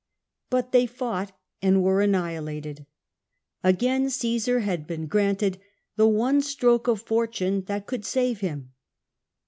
But they fought and were annihilated. Again Omsar had been granted the one stroke of fortune that could save him.